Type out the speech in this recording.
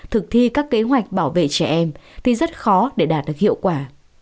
thực thi các kế hoạch bảo vệ trẻ em thì rất khó để đạt được hiệu quả